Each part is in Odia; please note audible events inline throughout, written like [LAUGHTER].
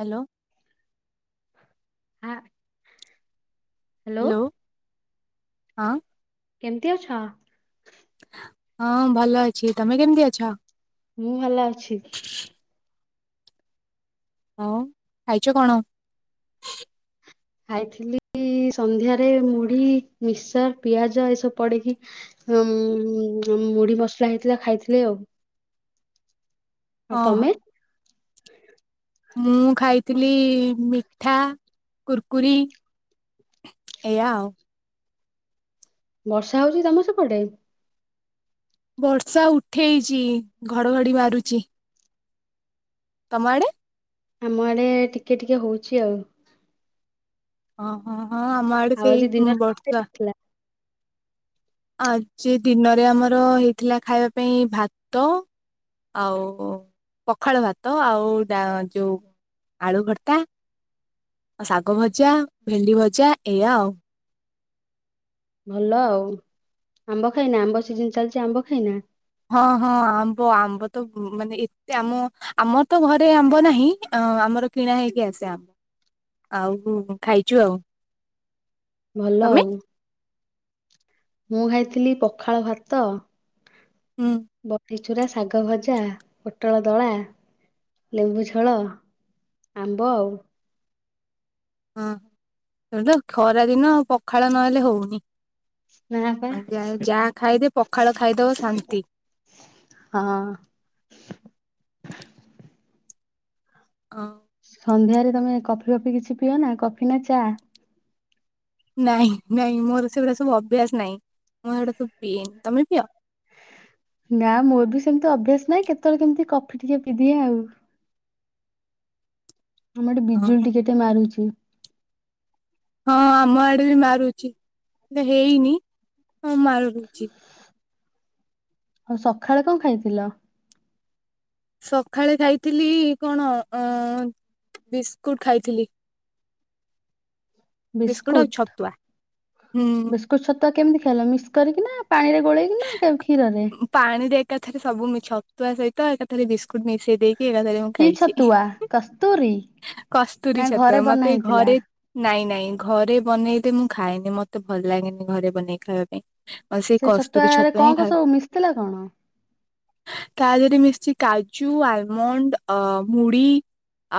ହାଲୋ। ଆ ହ୍ୟାଲୋ ହଁ। କେମିତି ଅଛ? ହଁ ଭଲ ଅଛି, ତମେ କେମିତି ଅଛ? ମୁଁ ଭଲ ଅଛି। ଆଉ ଖାଇଚ କଣ? ଖାଇଥିଲି ସନ୍ଧ୍ୟାରେ ମୁଢି, ମିକ୍ସର, ପିଆଜ ଏ ସବୁ ପଡିକି ଉମ୍ ମୁଢି ମସଲା ହେଇଥିଲା ଖାଇଥିଲେ ଆଉ। ଆଉ ଓହୋ ତମେ? ମୁଁ ଖାଇଥିଲି ମିଠା, କୁରକୁରି ଏଇଆ ଆଉ। ବର୍ଷା ହଉଛି କି ତମ ସେପଟେ? ବର୍ଷା ଉଠେଇଚି ଘଡଘଡି ମାରୁଛିି ତମ ଆଡେ? ଆମ ଆଡେ ଟିକେ ଟିକେ ହଉଛି ଆଉ। ହଁ ହଁ ଆମ ଆଡେ ଆଉ ସେଇ ଆଜି ଦିନରେ କଣ ବର୍ଷା ଖାଇଥିଲ? ଆଜି ଦିନରେ ଆମର ହେଇଥିଲା ଖାଇବା ପାଇଁ ଭାତ ଆଉ ପଖାଳ ଭାତ ଆଉ ଡା ଯୋଉ। ଆଳୁ ଭର୍ତା, ଶାଗ ଭଜା, ଭେଣ୍ଡି ଭଜା, ଏଇଆ ଆଉ। ଭଲ ଆଉ ଆମ୍ବ ଖାଇନା ଆମ୍ବ ସିଜିନ୍ ଚାଲିଛି ଆମ୍ବ ଖାଇନା? ହଁ ହଁ ଆମ୍ବ ଆମ୍ବ ତ ମାନେ ଏତେ ଆମ ଆମର ତ ଘରେ ଆମ୍ବ ନାହିଁ ଅ ଆମର କିଣା ହେଇକି ଆସେ ଆମ୍ବ। ଆଉ ଖାଇଛୁ ଆଉ। ଭଲ ତମେ ଆଉ ମୁଁ ଖାଇଥିଲି ପଖାଳ ଭାତ ହୁଁ। ବଢିଚୂୁରା, ଶାଗ ଭଜା, ପୋଟଳ ଦଳା, ଲେମ୍ବୁ ଝୋଳ ଆମ୍ବ ଆଉ। ହଁ ସେଇଠୁ ଖରା ଦିନ ପଖାଳ ନହେଲେ ହଉନି। ନା ପା ଆଜ୍ଞା ଯାହା ଖାଇଦେ ପଖାଳ ଖାଇଦବ ଶାନ୍ତି। ହଁ। ହଁ। ସନ୍ଧ୍ୟାରେ ତମେ କଫି ଫଫି କିଛି ପିଅ ନା କଫି ନା ଚା? ନାଇଁ ନାଇଁ ମୋର ସେଗୁଡା ସବୁ ଅଭ୍ୟାସ ନାହିଁ ମୁଁ ସେଗୁଡା ସବୁ ପିଏନି। ତମେ ପିଅ? ନା ମୋର ବି ସେମିତି ଅଭ୍ୟାସ ନାହିଁ କେତବେଳେ କେମିତି କଫି ଟିକେ ପିଇଦିଏ ଆଉ। ଆମ ଆଡେ ବିଜୁଳି ଓହୋ। ଟିକେ ଟିକେ ମାରୁଛି। ହଁ। ଆମ ଆଡେ ବି ମାରୁଛି କିନ୍ତୁ ହେଇନି ହଁ ମାରୁଛି। ଆଉ ସଖାଳେ କଣ ଖାଇଥିଲ? ସଖାଳେ ଖାଇଥିଲି କଣ ଅଁ ବିସ୍କୁଟ୍ ଖାଇଥିଲି। ବିସ୍କୁଟ ଆଉ ବିସ୍କୁଟ୍ ଛତୁଆ ହୁଁ ବିସ୍ ଟ୍ ଛତୁଆ କେମିତି ଖାଇଲ ମିକ୍ସ୍ କରିକି ନାଁ ପାଣିରେ ଗୋଳେଇକି ନାଁ କ୍ଷିରରେ? ପାଣିରେ ଏକାଥରେ ସବୁ ମିଛ ତାସହିତ ଏକାଥରେ ବିସ୍କୁଟ୍ ମିଶେଇ ଦେଇକି ଏକାଥରେ ମୁଁ କି ଖାଇଛି ହିଁ- ଛତୁଆ କସ୍ତୁରୀ କସ୍ତୁରୀ ନା ଘରେ ଛତୁଆ ବନା ମତେ ଏ ହେଇଥିଲା? ଘରେ ନାଇଁ ନାଇଁ ଘରେ ବନେଇଦେ ମୁଁ ଖାଇଏନି ମତେ ଭଲ ଲାଗେନି ଘରେ ବନେଇ ଖାଇବା ପାଇଁ। ଆଉ ସେଇ ସେ କସ୍ତୁରୀ ଛତୁଆରେ ଛତୁଆ ହିଁ କଣ କଣ ଖାଉ ସବୁ ମିଶିଥିଲା କଣ? ତା ଦେହରେ ମିଶିଛି କାଜୁ, ଆଲମଣ୍ଡ, ଅଁ ମୁଢି।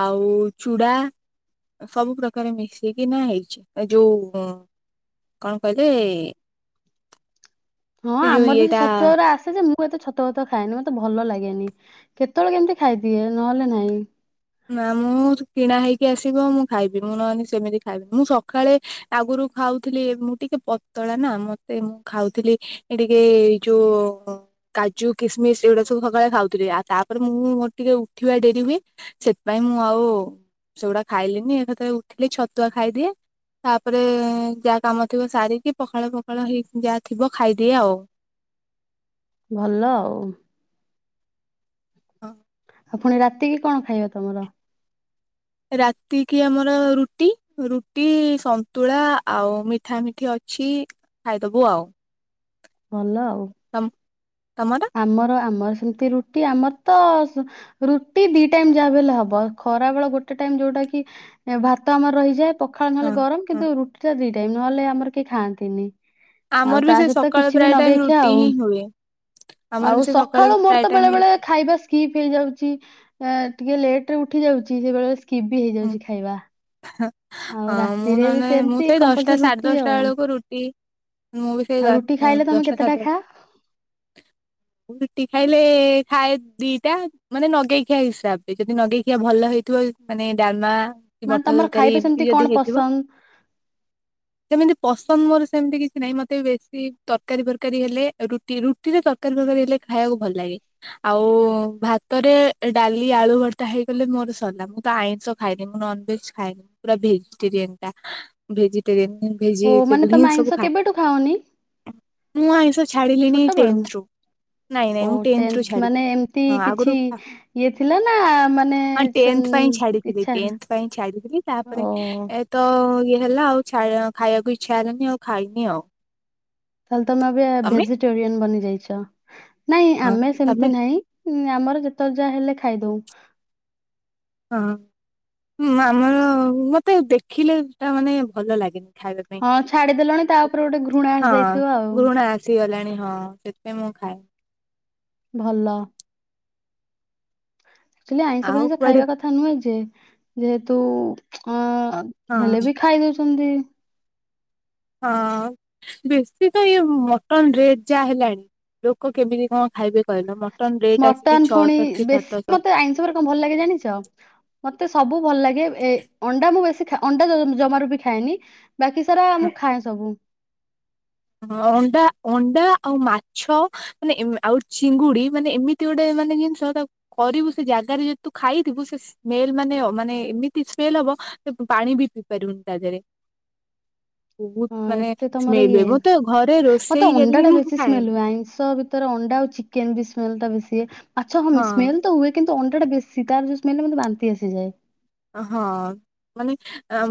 ଆଉ ଚୁଡ଼ା। ସବୁ ପ୍ରକାର ମିଶେଇକି ନାଁ ହେଇଛି ଏ ଯୋଉ କଣ କହିଲେ? ହଁ ସେ ଯୋଉଁ ଆମର ବି ଇଏ ଛତୁଆ ଉରା ଆସେ ଯେ ମୁଁ ମୁଁ ଏତେ ଛତୁଆ ମତୁଆ ଖାଏନି ମତେ ଭଲ ଲାଗେନି କେତେବେଳେ କେମିତି ଖାଇଦିଏ ନହେଲେ ନାଇଁ। ନା ମୁଁ କିଣା ହେଇକି ଆସିବ ମୁଁ ଖାଇବି ମୁଁ ନହେଲେ ସେମିତି ଖାଇବିନି ମୁଁ ସଖାଳେ ଆଗରୁ ଖାଉଥିଲି ମୁଁ ଟିକେ ପତଳା ନା ମତେ ମୁଁ ଖାଉଥିଲି ଏଟିକେ ଯୋଉ କାଜୁ କିସମିସ୍ ଏଇଗୁଡା ସବୁ ସକାଳେ ଖାଉଥିଲି ଆଉ ତାପରେ ମୁଁ ମୋର ଟିକେ ଉଠିବା ଡେରି ହୁଏ। ସେଥିପାଇଁ ମୁଁ ଆଉ ସେଗୁଡା ଖାଇଲିନି ଏକାଥରେ ଉଠିଲେ ଛତୁଆ ଖାଇଦିଏ। ତାପରେ ଯାହା କାମ ଥିବ ସାରିକି ପଖାଳ ଫଖାଳ ହେଇକି ଯାହା ଥିବ ଖାଇଦିଏ ଆଉ। ଭଲ ଆଉ ହଁ ଫୁଣି ରାତି କିି କଣ ଖାଇବ ତମର? ରାତି କିି ଆମର ରୁଟି ରୁଟି, ସନ୍ତୁଳା, ଆଉ ମିଠା ମିଠି ଅଛି। ଖାଇଦବୁ ଆଉ‌। ଭଲ ଆଉ। ତମ୍ ତମର? ଆମର ଆମର ସେମିତି ରୁଟି ଆମର ତ ସୁ ରୁଟି ଦି ଟାଇମ୍ ଯାହା ବିହେଲେ ହବ ଖରା ବେଳ ଗୋଟେ ଟାଇମ୍ ଯୋଉଟା କି ଉଁ ଭାତ ଆମର ରହିଯାଏ। ପଖାଳ ହଁ ନହେଲେ ଗରମ୍ ହଁ କିନ୍ତୁ ରୁଟି ଟା ଦୁଇ ଟାଇମ୍ ନହେଲେ ଆମର କେହି ଖାଆନ୍ତିନି। ଆମର ଆଉ ବି ତା ସେ ସହିତ ସକାଳେ କିଛି ବି ପ୍ରାୟ ଟାଇମ ନଗେଇଖିଆ ରୁଟି ହିଁ ଆଉ। ହୁଏ ଆମର ଆଉ ବି ସେ ସକାଳେ ସଖାଳୁ ମୋର୍ ପ୍ରାୟ ତ ଟାଇମ ବେଳେ ବେଳେ ରୁଟି ଖାଇବା ସ୍କିପ୍ ହେଇଯାଉଛି ଏଁ ଟିକେ ଲେଟ୍ ରେ ଉଠି ଯାଉଛି ବେଳେବେଳେ ସ୍କିପ୍ ବି ହୁଁ ହେଇଯାଉଛି ଖାଇବା। ହଁ ଆଉ ଅଁ ମୁଁ ରାତିରେ ବି ନନେ ମୁଁ ସେମିତି ସେଇ ଦଶଟା କମ୍ପଲସରୀ ସାଢେ ରୁଟି ଦଶଟା ଆଉ। ବେଳକୁ ରୁଟି ମୁଁ ଭି ସେଇ ଆଉ ରୁଟି ଦଶଟା ଏଁ- ଖାଇଲେ ତମେ ଦଶଟା କେତେଟା ସାଢ଼େ ଦଶ୍ ଖାଅ? ଟା। ରୁଟି ଖାଇଲେ ଖାଏ ଦିଟା ମାନେ ନଗେଇ ଖିଆ ହିସାବରେ ଯଦି ନଗେଇ ଇଏ ଭଲ ହେଇଥିବ ମାନେ ଡାଲ୍ମା କି ମାନେ ମଟର ତମର ତରକାରୀ ଖାଇବା ସେମିତି ଏମିତି କଣ ଯଦି ହେଇଥିବ। [INAUDIBLE] ପସନ୍ଦ? ସେମିତି ପସନ୍ଦ୍ ମୋର ସେମିତି କିଛି ନାହିଁ ମତେ ବେଶୀ ତରକାରୀ ଫରକାରୀ ହେଲେ ରୁଟି ରୁଟ୍ ରୁଟିରେ ତରକାରୀ ଫରକାରୀ ହେଲେ ଖାଇବାକୁ ଭଲ ଲାଗେ। ଆଉ ଭାତରେ ଡାଲି ଆଳୁ ଭର୍ତା ହେଇଗଲେ ମୋର ସରିଲା ମୁ ଆଇଁଷ ଖାଇନି ମୁଁ ନନ୍ ଭେଜ ଖାଇନି ପୁରା ଭେଜିଟେରିଏନ୍ ଟା ଭେଜିଟେରିଏନ୍ ଓ ମାନେ ଭେଜିଟେବୁଲ୍ ତମେ ହିଁ ଆଇଁଷ ଖାଏ଼ଁ କେବେଠୁ ଖାଅନି? ମୁଁ ଆଇଁଷ ଛାଡ଼ିଲିନି ଛୋଟ ବେଳୁ? ଟେନ୍ଥ ରୁ। ନାଇଁ ନାଇଁ ଓ ମୁଁ ଟେନ୍ଥ ରୁ ଟେନ୍ଥ୍ ଛାଡିଲି ମାନେ ଏମତି ହଁ ଆଗରୁ କିଛି ଇଏ ଥିଲା ନା ମାନେ ହଁ ସେନ୍ ଟେନ୍ଥ ପାଇଁ ଛାଡ଼ିଥିଲି ଟେନ୍ଥ୍ ପାଇଁ ଛାଡ଼ିଥିଲି ତାପରେ ଓ ଏ ତ ଇଏ ହେଲା ଆଉଛାୟା ଖାଇବାକୁ ଇଚ୍ଛା ହେଲାନି ଆଉ ଖାଇନି ଆଉ। ତାହେଲେ ତମେ ଏବେ ତମେ ଭେଜିଟେରିୟନ୍ ବନି ଯାଇଛ ନାଇଁ ହଁ ଆମେ ତମେ ସେମିତି ନାହିଁ। ହୁଁ ଆମର ଯେତେବେଳେ ଯାହା ହେଲେ ଖାଇଦଉ। ହଁଁ ମାମର ମତେ ଦେଖିଲେତା ମାନେ ଭଲ ଲାଗେନି ଖାଇବା ପାଇଁ। ହଁ ଛାଡ଼ିଦେଲଣି ତା ଉପରେ ଗୋଟେ ଘୃଣା ଆସିଯାଇଥିବ ଆଉ। ସି ଗଲାଣି ହଁ ସେଥିପାଇଁ ମୁଁ ଆଉ ଖାଉ ଭଲ। [UNINTELLIGIBLE] ଆଇଁଷ ଆଉ ଫାଇଁଷ କୁଆଡେ ଖାଇବା କଥା ନୁହେଁ ଯେ ଯେହେତୁ ଅଁ ହଁ ହେଲେ ବି ଖାଇ ଦଉଛନ୍ତି। ହଁ। ବେଶୀ ତ ଇଏ ମଟନ ରେ ଯାହା ହେଲାଣି ଲୋକ କେମିତି କଣ ଖାଇବେ କହିଲ ମ ମଟନ୍ ଫୁଣି ବେଶୀ ମତେ ଆଇନଷବରେ କଣ ଭଲ ଲାଗେ ଜାଣିଛ? ମତେ ସବୁ ଭଲ ଲାଗେ ଏ ଅଣ୍ଡା ମୁଁ ବେଶୀ ଖା ଅଣ୍ଡା ଜ ଜମାରୁ ବି ଖାଏନି। ବାକି ସାରା ମୁଁ ଖାଏ ସବୁ। ହ ଅଣ୍ଡା ଅଣ୍ଡା ଆଉ ମାଛ। ମାନେ ଏ ଆଉ ଚିଙ୍ଗୁଡ଼ି ମାନେ ଏମିତି ଗୋଟେ ମାନେ ଜିନିଷ ତାକୁ କରିବୁ ସେ ଜାଗାରେ ଯଦି ତୁ ଖାଇଥିବୁ ସେ ସ୍ମେଲ ମାନେ ମାନେ ଏମିତି ସ୍ମେଲ ହବ ତ ତୁ ପାଣି ବି ପିଇ ପାରିବୁନି ତା ଦେହରେ ବହୁତ ହଁ ମାନେ ଏତେ ତମର ସ୍ମେଲ ଇଏ ହୁଏ ବୋ ଘରେ ରୋଷେଇ ହେଲେ ମୁଁ ଖାଏନି। ଆଇଁସ ଭିତରେ ଅଣ୍ଡା ଆଉ ଚିକେନ୍ ବି ସ୍ମେଲ ଟା ବେଶ ହୁଏ ମାଛ କଣ ହଁ ସ୍ମେଲ ତ ହୁଏ। କିନ୍ତୁ ଅଣ୍ଡା ଟା ବେଶୀ ତାର [UNINTELLIGIBLE] ବାନ୍ତି ବେଶି ହେଇଯାଏ। ଅ ହଁ। ମାନେ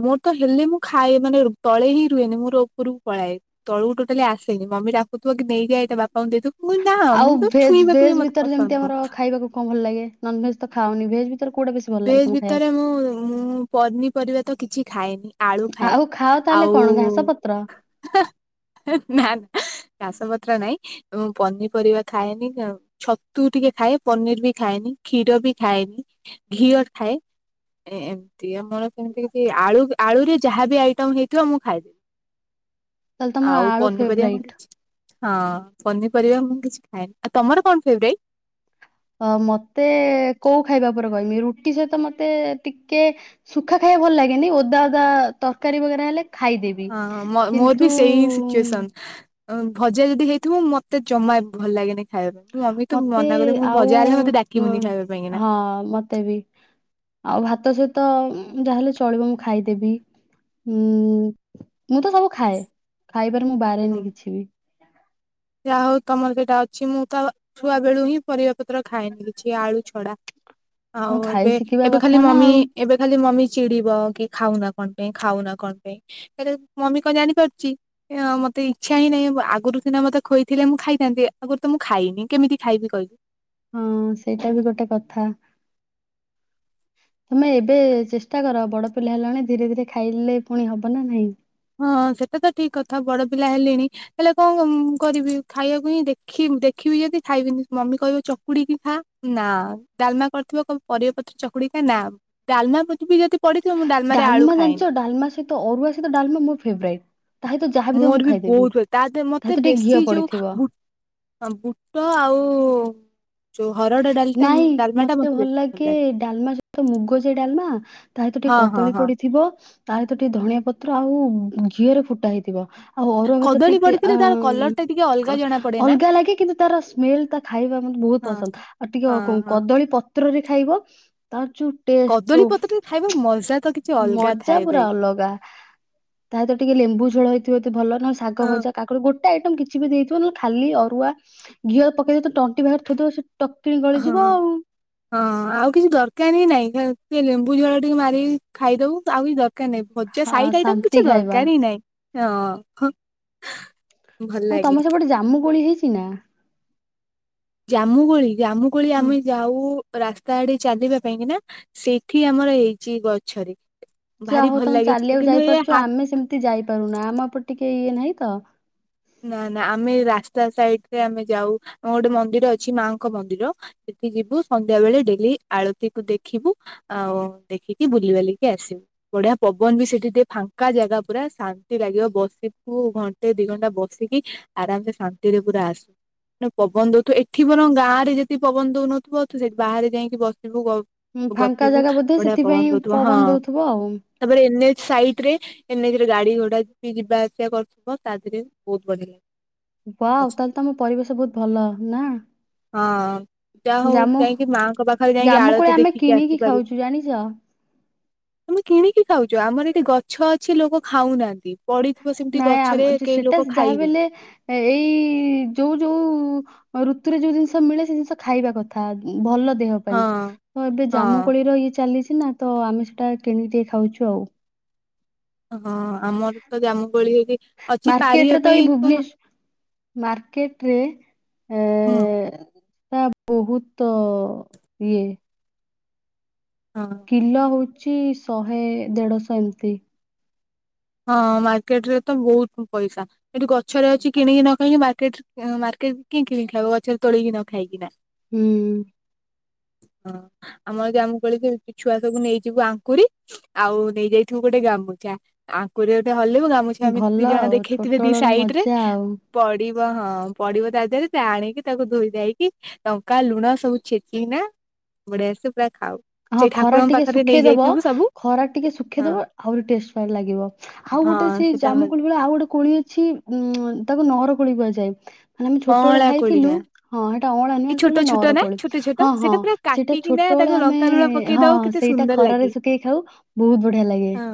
ମୋର ତ ହେଲେ ମୁଁ ଖାଏ ମାନେ ତଳେ ହିଁ ରୁହେନି ମୋର ଉପରକୁ ପଳାଏ। ତଳକୁ ଟୋଟାଲି ଆସେନି ମମିଡାକୁଥିବ କି ନେଇଯା ଏଇଟା ବାପାଙ୍କୁ ଦେଇଦବୁ। ମୁଁ କହିବି ନା ଆଉ ମୁଁ ତ ଭେଜ୍ ଛୁଇଁବାକୁ ବି ଭେଜ୍ ମତେ ଭିତରେ ପସନ୍ଦ ଯେମିତି ନୁହଁ ଆମର ଖାଇବାକୁ କଣ ଭଲ ଲାଗେ ନନ୍ ଭେଜ ତ ଖାଅନି ଭେଜ୍ ଭିତରେ କୋଉଟା ବେଶ ଭେଜ୍ ଭିତରେ ମୁଁ ମୁଁ ପନିପରିବା ତ କିଛି ଖାଏନି। ଆଳୁ ପାଇଁ? ଖାଏ ଆଉ ଖାଅ ତାହେଲେ ଆଉ କଣ ଘାସ ପତ୍ର [UNINTELLIGIBLE] [UNINTELLIGIBLE] ନା ନା ଘାଷ ପତ୍ର ନାଇଁ ମୁଁ ପନିପରିବା ଖାଏନି ନ। ଛତୁ ଟିକେ ଖାଏ ପନିର ବି ଖାଏନି କ୍ଷୀର ବି ଖାଏନି। ଘିଅ ଖାଏ। ଏ ଏମିତିଆମର ସେମିତି କିଛି ଆଳୁ ଆଳୁରେ ଯାହାବି ଆଇଟମ୍ ହେଇଥିବ ମୁଁ ଖାଇଦେବି। ତାହେଲେ ତମର ଆଉ ଆଳୁ ପନିପରିବା ଫେବରାଇଟ। ମୋର ବେଶ ହଁ ପନିପରିବା ମୁଁ କିଛି ଖାଏନି ଆଉ ତମର କଣ ଫେଵ୍ରାଇଟ୍? ଅ ମତେ କୋଉ ଖାଇବା ପରେ କହମି ରୁଟି ସହିତ ମତେ ଟିକେ ସୁଖା ଖାଇବା ଭଲ ଲାଗେନି ଓଦା ଓଦା ତରକାରୀ ବଗେରା ହେଲେ ଖାଇଦେବି ହଁ ମ ମୋର କିନ୍ତୁ ବି ସେଇ ସିଚୁଏସନ୍। ଭଜା ଯଦି ହେଇଥିବ ମତେ ଜମା ବି ଭଲ ଲାଗେନି। ଖାଇବା ପାଇଁଁ ମମି ତୁ ମନା ମତେ କର ଦେବି ମୁଁ କହିବି ଭଜାହେଲେ ମତେ ଡାକିବୁନି ଖାଇବା ପାଇଁକିନା। ହ ମ ତ ବି ଆଉ ଭାତ ସହିତ ଯାହାହେଲେ ଚଳିବ ମୁଁ ଖାଇଦେବି। ହୁଁ ମୁଁ ତ ସବୁ ଖାଏ ଖାଇବାରେ ମୁଁ ବାାରେନି କିଛି ବି। ଯା ହଉ ତମର ସେଟା ଅଛି ମୁଁ ତ ଛୁଆ ବେଳୁ ହିଁ ପରିବା ପତ୍ର ଖାଏନି କିଛି ଆଳୁ ଛଡା। ଆଉ ହଁ ଏବେ ଖାଇ ଶିଖିବା ଏବେ ଖାଲି କଥା ନା ମମି ଆଉ ଏବେ ଖାଲି ମମି ଚିଡିବ କି ଖାଉ ନା କଣ ପାଇଁ ଖାଉ ନା କଣ ପାଇଁ। ହେ ମମି କଣ ଜାଣିପାରୁଚଛି ମତେ ଇଚ୍ଛା ହିଁ ନାହିଁ ଆଗରୁ ସିନା ମତେ ଖୋଇଥିଲେ ମୁଁ ଖାଇଥାନ୍ତି ଆଗରୁ ତ ମୁଁ ଖାଇନି କେମିତି ଖାଇବି କହିଲ। ହଁ ସେଇଟା ବି ଗୋଟେ କଥା। [UNINTELLIGIBLE] ତମେ ଏବେ ଚେଷ୍ଟା କର ବଡ ପିଲା ହେଲାଣି ଧୀରେ ଧୀରେ ଖାଇଲେ ପୁଣି ହବ ନା ନାହିଁ। ହଁ ସେଟା ତ ଠିକ କଥା ବଡ ପିଲା ହେଲେଣି। ହେଲେ କଣ କରିବି ଖାଇବାକୁ ହିଁ ଦେଖି ଦେଖିବି ଯଦି ଖାଇବିନି ମମି କହିବ ଚକୁଡିିକି ଖା। ନା ଡାଲମା କରିଥିବ କହିବ ପରିବାପତ୍ର ଚକୁଡି ଖା ନା ଡାଲମା ବୁବି ଯଦି ପଡିଥିବ ମୁଁ ଡାଲମାରେ ଆଳୁ ଡାଲମା ଖାଏନି ଜାଣିଛ ଡାଲମା ସହିତ ଅରୁଆ ସହିତ ଡାଲମା ମୋର ଫେରାଇଟ। ମୋର ବି ବହୁତ ଭଲ ତା ଦେହରେ ମତେ ସହିତ ଟିକେ ଘିଅ ବେଶୀ ପଡିଥିବ ଯୋଉ ହଁ ବୁଟ ଆଉ ଯୋଉ ହରଡ ଡାଲି ନାଇଁ ମତେ ଭଲ ଲାଗେ ଡାଲମା ସହିତ ମୁଗ ଯାଇ ଡାଲମା। ତା ସହିତ ଟିକେ ହଁ ହଁ କଦଳୀ ହଁ ପଡିଥିବ ତା ସହିତ ଟିକେ ଧଣିଆ ପତ୍ର ଆଉ ଘଅରେ ଫୁଟା ହେଇଥିବ। ଆଉ ଅରୁଆ ଭାତରେ କଦଳୀ ଟିକେ ପଡିଥିଲେ ତାର କଲର ଅ ଟା ଟିକେ ଅଲଗା ଜଣା ପଡେ ନା। ଅଲଗା ଲାଗେ କିନ୍ତୁ ତାର ସ୍ମେଲ ତା ଖାଇବା ମତେ ବହୁତ ହଁ ପସନ୍ଦ ଆଉ ଟିକେ ହଁ କ ହଁ କଦଳୀ ପତ୍ରରେ ଖାଇବ ତା କଦଳୀ ଯୋଉ ପତ୍ରରେ ଖାଇବା ମଜା ତ କିଛି ଅଲଗା ମଜା ଥାଏ ଭାଇ। ପୁରା ଅଲଗା। ତା ଦେହରେ ଟିକେ ଲେମ୍ବୁ ଝୋଳ ହେଇଥିବ ଯଦି ଭଲ ନହେଲେ ଶାଗ ହଁ ଭଜା କା ଗୋଟେ ଆଇଟମ୍ କିଛି ବି ଦେଇଥିବ ନହେଲେ ଖାଲି ଅରୁଆ ଘିଅର ପକେଇିବ ତଣ୍ଟି ପାଖରେ ଥୋଇ ଦବ ଟପ କିଣି ହଁ ଗଳିଯିବ ଆଉ। ହଁ ଆଉ କିଛି ଦରକାର ହିଁ ନାଇଁ ସେ ଲେମ୍ବୁ ଝାଳ ଟିକେ ମାରିକି ଖାଇଦବୁ ଆଉ କିଛି ଦରକାର ଦରକାର ନାହିଁ ଭଜା ହଁ ସାଇଟ ଆଇଟ ଶାନ୍ତି କିଛି ଖାଇବା ଦରକାର ହିଁ ନାହିଁ ହଁ। ଭଲ ଆଉ ଲାଗେ। ତମ ସେପଟେ ଜାମୁ ଗୋଳି ହେଇଛି ନା। ଜାମୁକୋଳି ଜାମୁକୋଳି ହୁଁ। ଆମେ ଯାଉ ରାସ୍ତା ଆଡେ ଚାଲିବା ପାଇଁ କିନା ସେଇଠି ଆମର ହେଇଛି ଗଛରେ। ଯା ଭାରି ହଉ ଭଲ ତମେ ଲାଗେ ଚାଲିବାକୁ କିନ୍ତୁ ଏ ଯାଇପାରୁଛ ହା ଆମେ ସେମିତି ଯାଇପାରୁନ ଆମ ଉପରେ ଟିକେ ଇଏ ନାହିଁ ତ। ନା ନା ଆମେ ରାସ୍ତା ସାଇଡରେ ଆମେ ଯାଉ ଆମ ଗୋଟେ ମନ୍ଦିର ଅଛି ମାଙ୍କ ମନ୍ଦିର। ସେଠି ଯିବୁ ସନ୍ଧ୍ୟା ବେଳେ ଡେଲି ଆଳତିକୁୁ ଦେଖିବୁ। ଆଉ ଦେଖିକି ବୁଲ ବାଲିକି ଆସିବୁ। ବଢିଆ ପବନ ବି ସେଠି ଟିକେ ଫାଙ୍କା ଜାଗା ପୁରା ଶାନ୍ତି ଲାଗିବ ବସିବୁ ଘଣ୍ଟେ ଦି ଘଣ୍ଟା ବସ ବସିକି ଆରାମରେ ଶାନ୍ତିରେ ପୁରା ଆସୁ। ନା ପବନ ଦଉଥିବ ଏଠି ବରଂ ଗାଁ ରେ ଯଦି ପବନ ଦଉନଥିବ ତୁ ସେଠି ବାହାରେ ଯାଇକି ବସିବୁ ହୁଁ ଫାଙ୍କା ଗପିବୁ ଜାଗା ବୋଧେ ବଢିଆ ପବନ ସେଥିପାଇଁ ଦାଉଥିବ ହଁ। ପବନ ଦଉଥିବ ଆଉ। ତାପରେ ଏନ୍ ଏଚ ସାଇଟ ରେ ଏନ୍ଏଚରେ ଗାଡି ଘୋଡା ବି ଯିବା ଆସିବା କରୁଥିବ ତା ଦେହରେ ବହୁତ ବଢିଆ। ୱାଉ ବସିକି। ତାହେଲେ ତମ ପରିବେଶ ବହୁତ ଭଲ ନା। ହଁ ଯହା ହଉ ଜାମୁ ଯାଇକି ମାଙ୍କ ପାଖରେ ଯାଇକି ଜାମୁ କୋଳି ଆଳତି ଆମେ ଦେଖିକି କିଣିକି ଆସିପାରୁଛ। ଖାଉଛୁ ଜାଣିଛ। ତମେ କିଣିକି ଖାଉଛ ଆମର ଏଠି ଗଛ ଅଛି ଲୋକ ଖାଉନାହାନ୍ତି। ପଡିଥିବ ସେମିତି ଗଛରେ କେହିଁ ଲୋକ ଯାହା ବି ଖାଇବେନି ହେଲେ ଏଇ ଯୋଉ ଯୋଉ ଋତୁରେ ଯୋଉ ଜିନିଷ ମିଳେ ସେ ଜିନିଷ ଖାଇବା କଥା ଉଁ ଭଲ ଦେହ। ପାଇଁ ହଁ ତ ଏବେ ହଁ ଜାମୁକୋଳିର ଇଏ ଚାଲିଛି ନା ତ ଆମେ ସେଟା କିଣିିକି ଟିକେ ଖାଉଛୁ ଆଉ। ହଁ ଆମର ତ ଜାମୁକୋଳି ଏଠି ଅଛି ପାରିବା ପାଇଁ କଣ। ମାର୍କେଟ ରେ ହୁଁ ଏ ବହୁତ ଇଏ। ହଁ। କିଲୋ ହଉଛି ଶହେ, ଦେଢ଼ଶହ ଏମିତି। ହଁ ମାର୍କେଟରେ ତ ବହୁତ ପଇସା ଏଠି ଗଛରେ ଅଛି କିଣିକି ନ ଖାଇକି ମାର୍କେଟ। ଅଁ ମାର୍କେଟ କିଏ କିଣିକି ଖାଇବ ଗଛରେ ତୋଳିକି ନ ଖାଇକିନା। ହୁଁ। ହଁ ଆମର ଜାମୁ କୋଳି [UNINTELLIGIBLE] ଛୁଆ ସବୁ ନେଇଯିବୁ ଆଙ୍କୁରି। ଆଉ ନେଇଯାଇଥିବୁ ଗୋଟେ ଗାମୁଛା ଆଙ୍କୁରିରେ ହଲେଇବୁ ଗା ମୁଛା ଆମେ ଭଲ ଦି ଜଣ ଆଉ ଦେଖେଇଥିବେ ଦି ଛୋଟବେଳର ସାଇଟ ରେ। ମଜା ଆଉ। ପଡିବ ହଁ ପଡିବ ତା ଦେହରେ ସେ ଆଣିକି ତାକୁ ଧୋଇ ଧାଇକି। ଲଙ୍କା, ଲୁଣ ସବୁ ଛେଚିକିନା ବଢ଼ିଆସେ ପୁରା ଖାଉ। ହଁ ସେଇ ଖରାରେ ଠାକୁରଙ୍କ ଟିକେ ପାଖରେ ଶୁଖେଇଦବ ନେଇଯାଇଥିବୁ ସବୁ ଖରାରେ ଟିକେ ହଁ ଶୁଖେଇଦବ। ଆହୁରି ଟେଷ୍ଟ [UNINTELLIGIBLE] ଲାଗିବ ଆଉ ହଁ ଗୋଟେ ସେଇ ସେଟା ଭଲ ଜାମୁକୋଳି ଭଳିଆ ଆଉ ଗୋଟେ କୋଳି ଅଛି। ଉଁ ତାକୁ ନହର ଖୋଳି କୁହାଯାଏ। ମାନେ ଆମେ ଛୋଟବେଳେ ଅଁଳା କୋଳି ଖାଇଥିଲୁ ନା ହଁ ସେଇଟା ଅଁଳା ଏଇ ନୁହ ଛୋଟ ସେଇଟା ଛୋଟ ନା ନହରକୋଳି ଛୋଟ ହଁ ହଁ ସେଇଟା ଛୋଟବେଳେ ଆମେ। ଚାଲୁନ ପ ଏ ହଁ ସେଇଟା ଖରାରେ ଶୁଖେଇ ଖାଉ ବହୁତ ବଢିଆ ଲାଗେ। ହଁ।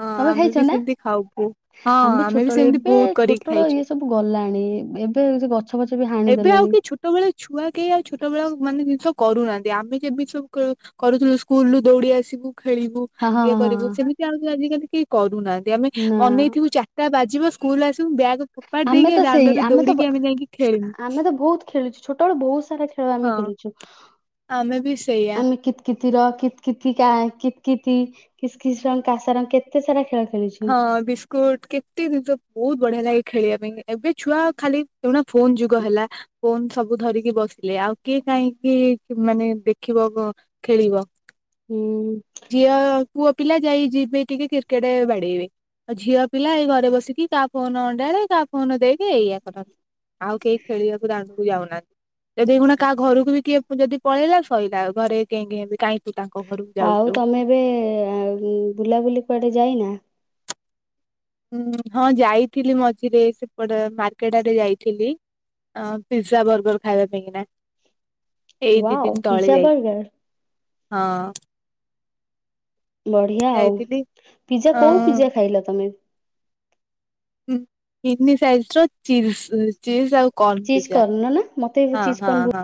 ହଁ ତମେ ଆମେ ବି ଖାଇଛ ନା ସେମିତି ଖାଉ ବୋ ହଁ ଆମେ ବି ଛୋଟବେଳେ ସେମିତି ଏବେ ବହୁତ କରିକି ଛୋଟବେଳ ଖାଇଛୁ। ଇଏ ସ ଗଲାଣି ଏବେ ସେ ଗ ଗଛ ପଛ ବି ହା ଏବେ ଆଉ କେଇ ଛୋଟବେଳେ ଛୁଆ କେହି ଆଉ ଛୋଟବେଳ ମାନେ ଜିନିଷ କରୁନାହାନ୍ତି। ଆମେ ଯେମିତି ସବୁ କ କରୁଥିଲୁ ସ୍କୁଲ ରୁ ଦୌଡି ଆସିବୁ ଖେଳିବୁ। ହଁ ହଁ ଇଏ ହଁ କରିବୁ ହଁ। ସେମିତି ଆଉ କିଏ ଆଜିକାଲି କେହି କରୁନାହାନ୍ତି। ଆମେ ନା ଅନେଇଥିବୁ ଚା ଚାରିଟା ବାଜିବ ସ୍କୁଲରୁ ଆସିବୁ ବ୍ୟାଗ ଫୋପାଡ଼ି ଆମେ ଦେଇକି ତ ସେଇ ଦାଣ୍ଡରେ ତ ଦୌଡ଼ିକି ଆମେ ଯାଇଁକି ଖେଳିବୁ। ଆମେ ତ ବହୁତ ଖେଳିଛୁ। ଛୋଟବେଳେ ବହୁତ ସାରା ଖେଳ ଆମେ ହଁ ଖେଳିଛୁ। ଆମେ ବି ସେଇଆ। ଆମେ କି କିତିର, କିତ କିତିକା, କିତକିତି, ଖିସି ଖିସିନ କାସର କେ ତେ ସାରା ଖେଳ ଖେଳି ହଁ ବିସ୍କୁଟ କେତେ ଜିନିଷ ବହୁତ ବଢିଆ ଲାଗେ ଖେଳିବା ପାଇଁ ଏବେ ଛୁଆ ଖାଲି। ଏ ଖୁଣା ଫୋନ ଯୁଗ ହେଲା ଫୋନ ସବୁ ଧରିକି ବସ ଲେ ଆଉ କିଏ କାହିଁକି ମାନେ ଦେଖିବ ଗ ଖେଳିବ? ହୁଁ। ଝିଅ, ପୁଅ ପିଲା ଯାଇ ଯିବେ ଟିକେ କ୍ରିକେଟେ ବାଡେଇବେ। ଆଉ ଝିଅ ପିଲା ଏଇ ଘରେ ବସିକି କାହା ଫୋନ ଅଣ୍ଡାଳେ କାହା ଫୋନ ଦେଖେ ଏଇଆ କରନ୍ତି। ଆଉ କେହି ଖେଳିବାକୁ ଦାଣ୍ଡକୁ ଯାଉନା ଏଇ ଦେଖୁନା କାହା ଘରକୁ ବି କିଏ ଯଦି ପଳେଇଲା ସଇଲା ଘରେ କେଁ କେଁ ହେବେ। କାଇଁ ତୁ ତାଙ୍କ ଘରକୁ ଯାଉଛୁ? ଆଉ ତମେ ଏବେ ଉଁ ବୁଲାବୁଲି କୁଆଡେ ଯାଇନା? ହୁଁ ହଁ ଯାଇଥିଲି ମଝିରେ ସେପଟେ ମାର୍କେଟ ଆଡେ ଯାଇଥିଲି। ଅ ପିଜା, ବର୍ଗର ଖାଇବା ପାଇଁ କିନା। ଏଇ ଦି ୱାଓ ଦିନ ତଳେ ପିଜା ଯାଇଥି ବର୍ଗର ହଁ। ବଢିଆ ଆଉ। ଯାଇଥିଲି ପିଜା ଅ କୋଉ ପିଜା ଖାଇଲ ତମେ? ଉଁ ମିନି ସାଇଜର୍ ଚିସ ଚିଜ୍ ଆଉ କରନ୍ ଚିଜ ପିଜା କର୍ଣ୍ଣ ନା ମତେ ବି ହଁ ଚିଜ ହଁ କର୍ଣ୍ଣ ବହୁତ ହଁ।